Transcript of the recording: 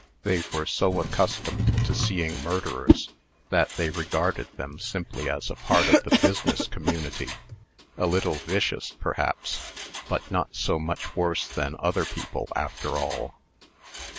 They were so accustomed to seeing murderers, that they regarded them simply as a part of the business community a little vicious, perhaps, but not so much worse than other people, after all.